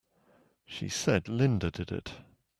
She said Linda did it!